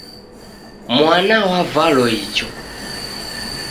Mwana wavalo icho